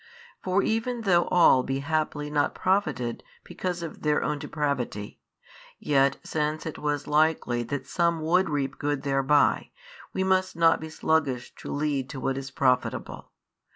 For even though all be haply not profited because of their own depravity, yet since it was likely that some would reap good thereby, we must not be sluggish to lead to what is profitable.